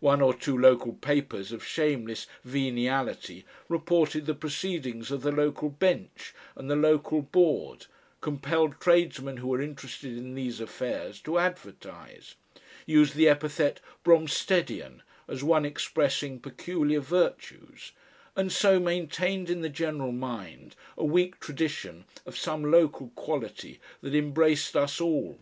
One or two local papers of shameless veniality reported the proceedings of the local Bench and the local Board, compelled tradesmen who were interested in these affairs to advertise, used the epithet "Bromstedian" as one expressing peculiar virtues, and so maintained in the general mind a weak tradition of some local quality that embraced us all.